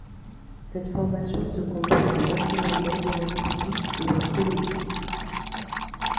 Cette formation se compose de vingt semaines d'endurance physique et psychologique.